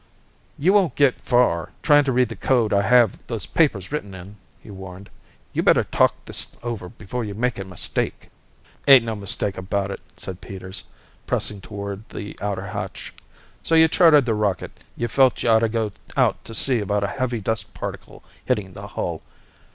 "You won't get far, trying to read the code I have those papers written in," he warned. "You'd better talk this over before you make a mistake." "Ain't no mistake about it," said Peters, pressing toward the outer hatch. "So you chartered the rocket. You felt you oughta go out to see about a heavy dust particle hitting the hull.